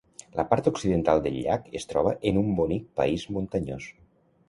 La part occidental del llac es troba en un bonic país muntanyós.